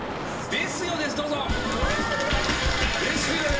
「ですよ。」や。